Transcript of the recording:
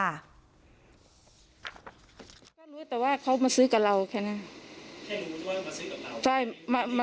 รู้แต่ว่าเขามาซื้อกับเราแค่นั้นแค่รู้ด้วยมาซื้อกับเรา